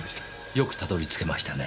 よくたどり着けましたね。